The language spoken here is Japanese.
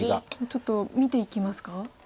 ちょっと見ていきますか。